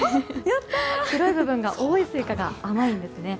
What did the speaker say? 白い部分が多いスイカが甘いんですね。